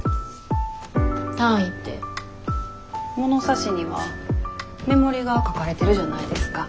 物差しには目盛りが書かれてるじゃないですか。